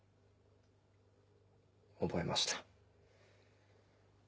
覚えました。